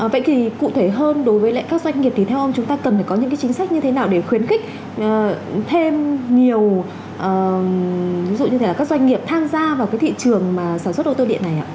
vậy thì cụ thể hơn đối với các doanh nghiệp thì theo ông chúng ta cần phải có những cái chính sách như thế nào để khuyến khích thêm nhiều ví dụ như là các doanh nghiệp tham gia vào cái thị trường sản xuất ô tô điện này ạ